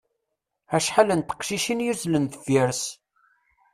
Acḥal n teqcicin yuzzlen deffir-s.